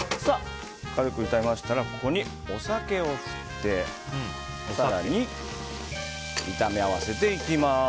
軽く炒めましたらここにお酒を振って更に、炒め合わせていきます。